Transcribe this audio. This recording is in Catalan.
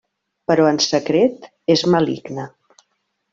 Però, en secret, és maligna.